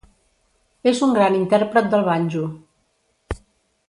És un gran intèrpret del banjo.